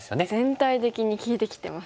全体的に利いてきてますね。